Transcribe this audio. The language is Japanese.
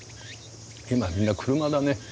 今はみんな車だね。